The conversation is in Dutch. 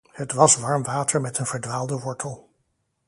Het was warm water met een verdwaalde wortel.